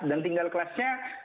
dan tinggal kelasnya